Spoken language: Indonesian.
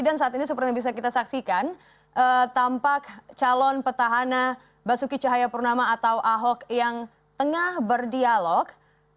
dan saat ini seperti yang bisa kita saksikan tampak calon petahana basuki cahayapurnama atau ahok yang tengah berdialog